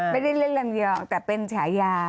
ไม่ได้เล่นลำยองแต่เป็นฉายา